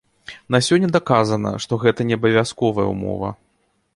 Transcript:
На сёння даказана, што гэта не абавязковая ўмова.